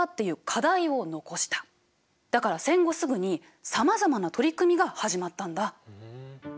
だから戦後すぐにさまざまな取り組みが始まったんだ。